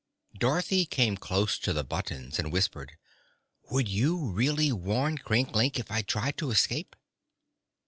Dorothy came close to the buttons and whispered: "Would you really warn Crinklink if I tried to escape?"